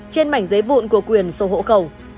trên mảnh giấy vụn của quyền sổ hộ khẩu